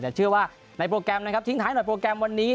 แต่เชื่อว่าในโปรแกรมนะครับทิ้งท้ายหน่อยโปรแกรมวันนี้